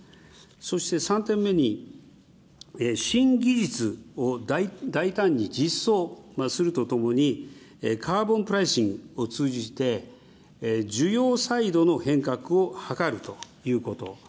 そして３点目に、新技術を大胆に実装するとともに、カーボンプライシングを通じて、需要サイドの変革を図るということ。